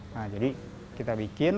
nah jadi kita bikin